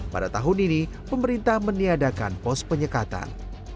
pada tahun ini pemerintah meniadakan pos penyekatan